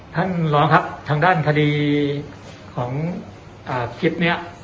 ท่านรองครับทางด้านคดีของคลิปนี้